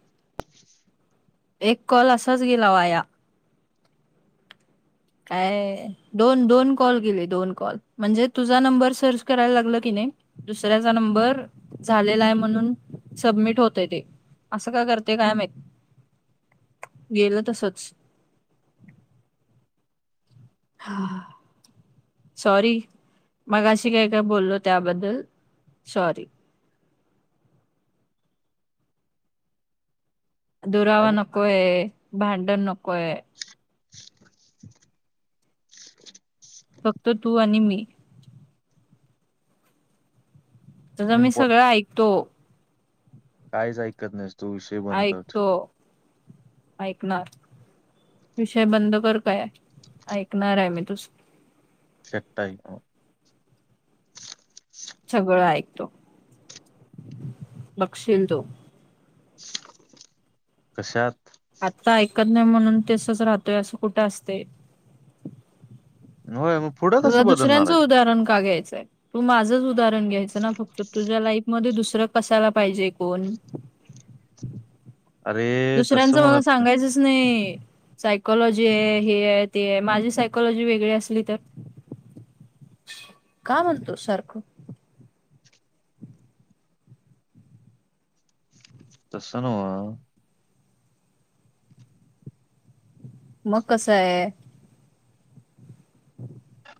[inaudible] एक कॉल असाच गेला वाया. काय दोन दोन कॉल गेले दोन कॉल म्हणजे तुझा नंबर सर्च करायला लागला की नाही. दुसऱ्याचा नंबर झालेला आहे म्हणून सबमिट होतय ते. असं का करते काय माहीत? गेलं तसच. [inaudible] सॉरी. मगाशी काय काय बोललो त्याबद्दल सॉरी. काय दुरावा बघ नकोय, भांडण नकोय. फक्त तू आणि मी. तुझं मी इम्पॉ सगळं ऐकतो. काहीच ऐकत नाहीस तू विषय बंद करतो. ऐकतो ऐकणार. विषय बंद कर काय? ऐकणार आहे मी तुझ. [unintelligible] सगळं ऐकतो. बघशील तू. कशात? आत्ता ऐकत नाही म्हणून तेसच राहतोय असं कुठं असते? होय, मग. पुढं तुला कसं बदलणार दुसऱ्यांचं आहे उदाहरण का घ्यायचंय? तू माझंच उदाहरण घ्यायच ना फक्त तुझ्या लाईफ मध्ये दुसरं कसाला पाहिजे कोण? अरे तसं दुसऱ्यांचं मला म्हणत नाही सांगायचं नाही सायकॉलॉजी आहे. हे आहे, ते आहे माझी सायकॉलॉजी वेगळी असली तर का म्हणतो सारखं? तस नव्ह. मग कसं आहे? [inaudible]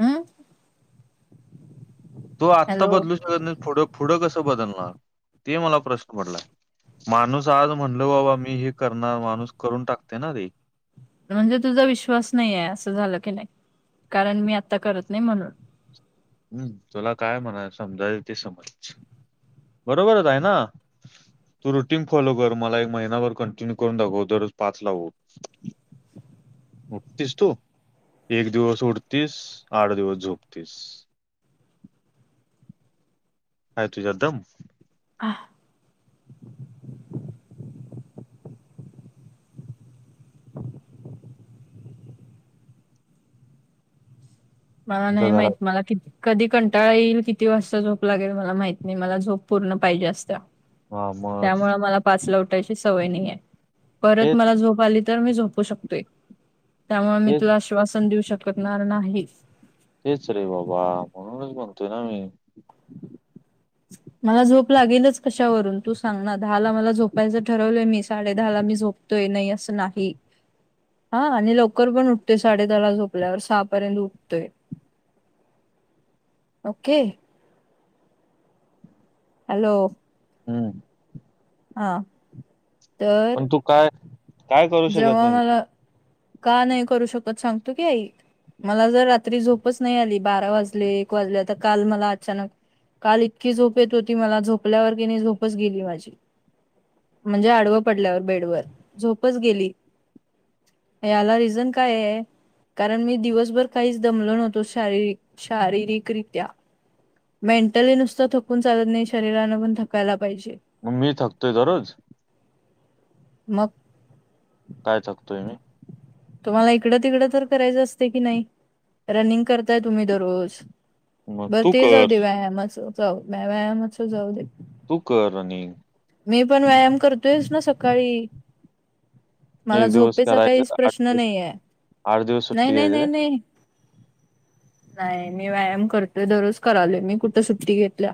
हम तो आत्ता हॅलो बदलू शकत नाही. पुढं कसं बदलणार ते मला प्रश्न पडलाय. माणूस आज म्हणल बाबा मी हे करणार. माणूस करून टाकते ना ते. म्हणजे तुझा विश्वास नाही आहे असं झालं की नाही कारण, मी आता करत नाही म्हणून. हम्म, तुला काय म्हणायच आहे समजायचं ते समज? बरोबरच आहे ना. तू रुटीन फॉलो कर. मला एक महिनाभर कंटिन्यू करून दाखव दररोज पाच ला ऊठ. उठतीस तू? एक दिवस उठतीस, आठ दिवस झोपतीस. हाई तुझ्यात दम? हा [inaudible] मला तुमच्या नाही माहित. घरात मला किती? कधी कंटाळा येईल. किती वाजता झोप लागेल? मला माहित नाही. मला झोप पूर्ण पाहिजे असते. हम्म. त्यामुळे मला पाच ला उठायची सवय नाही आहे. परत तेच मला झोप आली तर, मी झोपू शकते. त्यामुळे मी तुला तेच आश्वासन देऊ शकणार नाही. तेच रे बाबा, म्हणूनच म्हणतोय ना मी. मला झोप लागेलच कशावरून तू सांग ना? दहा ला मला झोपायचं ठरवलंय मी साडे दहा ला मी झोप तोय नाही असं नाही. हा आणि लवकर पण उठते साडे दहाला झोपल्यावर सहापर्यंत उठते. ओके. हॅल्लो हम् हा तर पण तू काय काय करू शकत जेव्हा नाही मला. का नाही करू शकत सांगतो की आई. मला जर रात्री झोपच नाही आली बारा वाजले एक वाजले तर काल मला अचानक काल इतकी झोप येत होती मला झोपल्यावर कि नाही झोपच गेली माझी. म्हणजे आडवं पडल्यावर बेडवर झोपच गेली. याला रिझन काय आहे? कारण मी दिवसभर काहीच दमलो नव्हतो शारीर शारीरिकरित्या. मेंटली नुसतं थकून चालत नाही. शरीरान पण थकायला पाहिजे. मी थकतोय काय रोज? मग. काय थकतोय मी. तुम्हाला इकडं तिकडं तर करायचं असते की नाही रनिंग करताय तुम्ही दररोज. मग बर तू ते जाऊ कर दे व्यायामच जाऊ व्यायामच जाऊ दे तू कर रनिंग मी पण व्यायाम करतोयस ना सकाळी. मला एक दिवस झोपेचा करायचं काहीच आठ प्रश्न दिवस नाही आहे आठ दिवस नाही सुट्टी नाही.. घ्यायचं नाही.. काय नाही. नाही मी व्यायाम करतोय दररोज करालोय मी कुठं सुट्टी घेतल्या.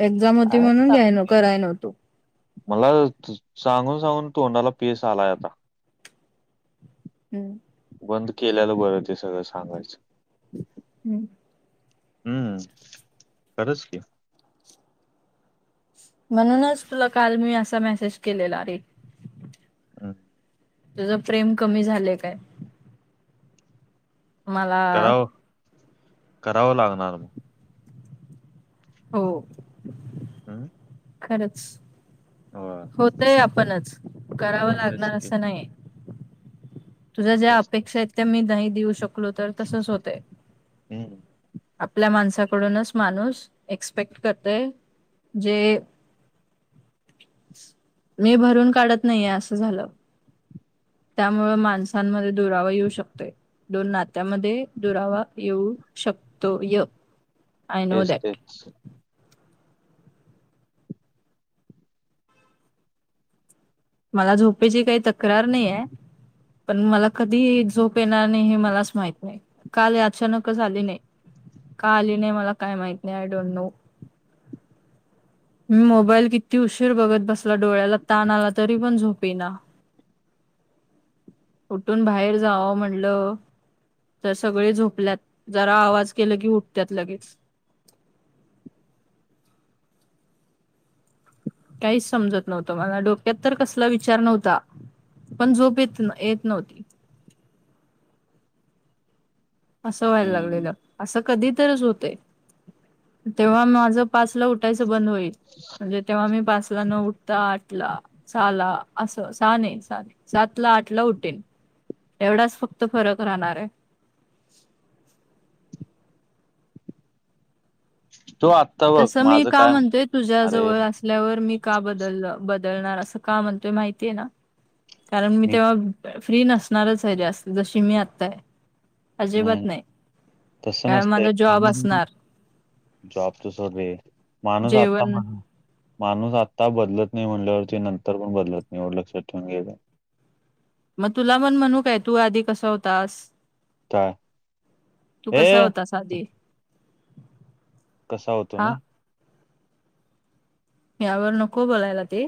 एक्झाम अ.. होती म्हणून पा घ्याय न कराय नव्हतो मला सांगून सांगून तोंडाला फेस आलाय आता. हम्म. बंद केल्यालं बरं ते सगळं सांगायचं. हम्म. हम्म खरंच की. म्हणूनच तुला काल मी असा मेसेज केलेला रे. हम. तुझं प्रेम कमी झालंय काय? मला करावं करावं लागणार मग. हो.. हंम खरंच होतय आपणच करावं तेच लागणार की असं नाही. तुझ्या ज्या तेच अपेक्षा तेच आहेत त्या मी नाही देऊ शकलो तर तसच होतय. हम्म आपल्या माणसाकडूनच माणूस एक्सपेक्ट करते जे [inaudible] मी भरून काढत नाही आहे अस झालं त्यामुळे माणसांमध्ये दुरावा येऊ शकतोय. दोन नात्यामध्ये दुरावा येऊ शकतोय. येस तेच. मला झोपेची काही तक्रार नाही आहे पण मला कधी झोप येणार नाही हे मलाच माहित आहे. काल अचानकच आली नाही का आली नाही मला काय माहित नाही आय डोंट नो. मी मोबाईल किती उशीर बघत बसला डोळ्याला ताण आला तरी पण झोप येईना उठून बाहेर जाव म्हणलं. तर सगळी झोपल्यात जरा आवाज केलं की उठत्यात लगेच. काहीच समजत नव्हतं मला डोक्यात तर कसला विचार नव्हता. पण झोप येत येत नव्हती. असं व्हायला हम्म लागलेलं असं कधी तरच होतय. तेव्हा माझं पाचला उठायचं बंद होईल. म्हणजे तेव्हा मी पाचला न उठता आठला सहाला. असं सहा नाही, सहा नाही, सात ला, आठला उठेन एवढाच फक्त फरक राहणार आहे. [unintelligible] तो आ तसं मी का म्हणतोय तुझ्या जवळ अस आपल्यावर मी का बदलल बदलणार असं का म्हणतोय माहितीय आहे ना कारण मी तेव्हा फ्री नसणारच आहे जास्त जशी मी आताय. अजिबात नाही तसं काय नसतंय माझा जॉब माणूस असणार. जॉब तू सगळे माणूस आता जेवण म्हण. माणूस आत्ता बदलत नाही. म्हणल्यावरती नंतर पण बदलत नाही एवढं लक्षात ठेवून घ्यायचं. मग तुला पण म्हणू काय तू आधी कसा होतास? काय तू कसा ए होतास तू आधी? कसा होतो हा मी? ह्यावर नको बोलायला ते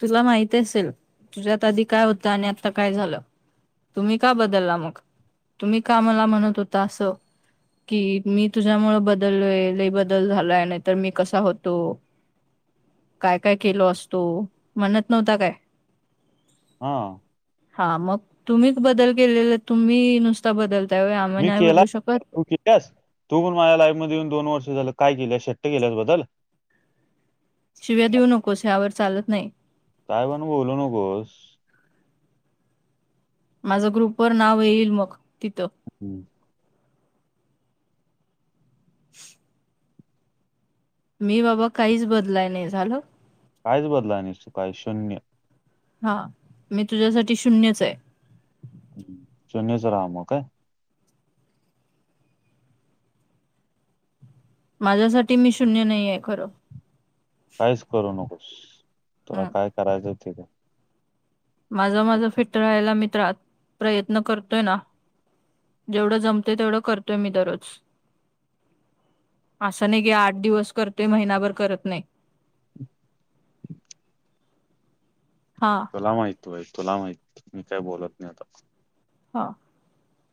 तुला माहीत असेल तुझ्यात आधी काय होतं आणि आता काय झालं. तुम्ही का बदलला मग, तुम्ही का मला म्हणत होता असं. कि मी तुझ्यामुळें बदललोय लय बदल झालाय. नाहीतर मी कसा होतो. काय काय केलो असतो. म्हणत नव्हता काय. हा. हा मग तुम्हीच बदल केलेला. तुम्ही नुसता बदलताय व्हय. आम्ही मी नाही केला बदलू शकत? तू तू पण माझ्या लाईफ मध्ये येऊन दोन वर्ष झालं काय केल्यास शेट्ट केल्यास बदल शिव्या देऊ नकोस यावर चालत नाही. काय पण बोलू नकोस. माझं ग्रुपवर नाव येईल मग तिथं हम्म. [unintelligible] मी बाबा काहीच बदलाय नाही झाल. कायच बदलाय नाहीस. तू काय शून्य. हा, मी तुझ्यासाठी शून्यच आहे. शून्यच रहा मग काय. माझ्यासाठी मी शून्य नाही आहे खरं. काहीच करू नकोस. तुला हं. काय करायचं ते कर. माझं माझं फिट राहायला मित्रात प्रयत्न करतोय ना. जेवढं जमते तेवढं करतोय मी दरोज असं नाही की आठ दिवस करतेय. महिनाभर करत नाही. हा. तुला माहित तू आहेस तुला माहित मी काय बोलत नाही आता हां.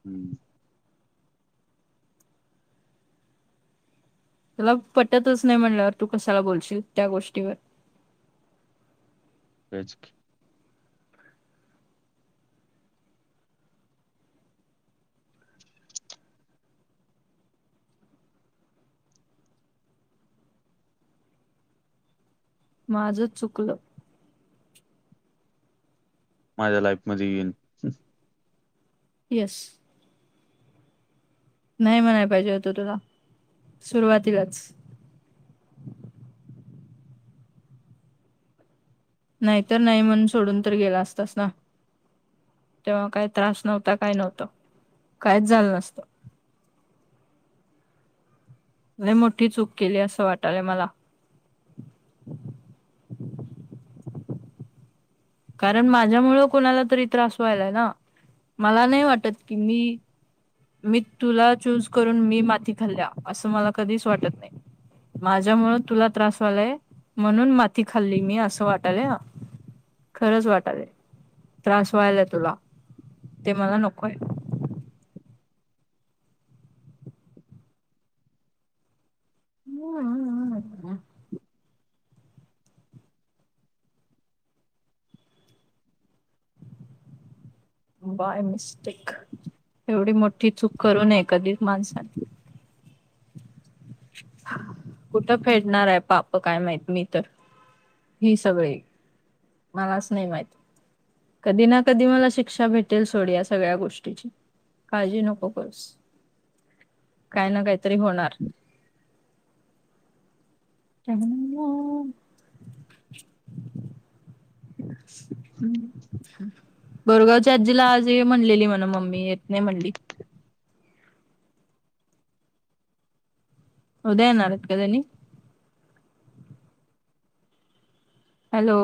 हम्म. तुला पटतच नाही. म्हटल्यावर तू कशाला बोलशील त्या गोष्टीवर होयचं की. माझंच चुकलं. माझ्या लाईफ मध्ये येवून. यस. नाही म्हणायला पाहिजे होत. तुला सुरुवातीलाच नाहीतर नाही म्हणून सोडून तर गेला असतास ना. तेव्हा काही त्रास नव्हता. काय नव्हत. काहीच झालं नसतं. लय मोठी चूक केली असं वाटालय मला. कारण माझ्या मुळं कोणाला तरी त्रास व्हायला आहे. ना मला नाही वाटत की मी मी तुला चूज करून मी माती खाल्ल्या असं मला कधीच वाटत नाही. माझ्यामुळ तुला त्रास व्हायलाय म्हणून माती खाल्ली मी असं वाटालय हा. खरंच वाटालय त्रास व्हालाय तुला ते मला नकोय. हम्म [unintelligible] बाय मिस्टेक एवढी मोठी चूक करू नये. कधीच माणसाने कुठं फेडणार आहे पाप काय माहित मी तर हि सगळी मलाच नाही माहित कधी ना कधी मला शिक्षा भेटेल सोड. या सगळ्या गोष्टीची काळजी नको करुस. काही ना काहीतरी होणार. जगनंग [unintelligible] हम्. बोरगावच्या आजीला आज ये म्हणलेली म्हणं मम्मी येत नाही म्हणली. उद्या येणारेत का त्यांनी? हॅलो.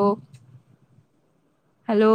हॅलो.